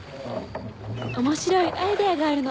面白いアイデアがあるの。